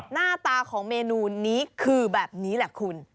หน้าตาของเมนูนี้คือแบบนี้แหละคุณ